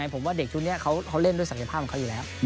ผมว่าเด็กชุดนี้เขาเล่นด้วยศักยภาพของเขาอยู่แล้ว